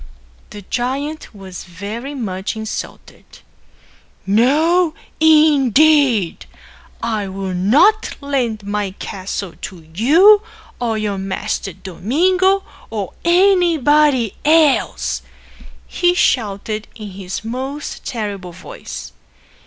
The giant was very much insulted. "No, indeed, I'll not lend my castle to you or your master Domingo or anybody else," he shouted in his most terrible voice.